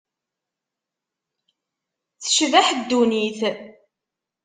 Tecbeḥ ddunit.